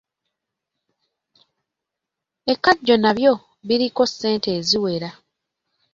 Ekajjo nabyo biriko ssente eziwera.